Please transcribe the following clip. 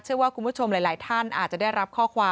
เชื่อว่าคุณผู้ชมหลายท่านอาจจะได้รับข้อความ